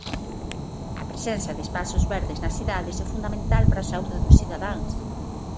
A presenza de espazos verdes nas cidades é fundamental para a saúde dos cidadáns.